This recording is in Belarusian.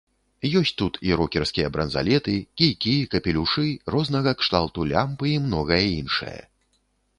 Ёсць тут і рокерскія бранзалеты, кійкі, капелюшы, рознага кшталту лямпы і многае іншае.